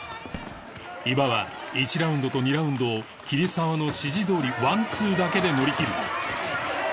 伊庭は１ラウンドと２ラウンドを桐沢の指示どおりワンツーだけで乗りきる